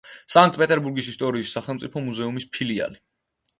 სანქტ-პეტერბურგის ისტორიის სახელმწიფო მუზეუმის ფილიალი.